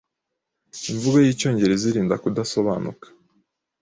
Imvugo y'Icyongereza irinda kudasobanuka